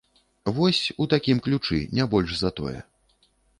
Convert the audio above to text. Вось, у такім ключы, не больш за тое.